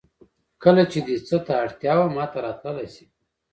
کله چې دې څه ته اړتیا وه ماته راتللی شې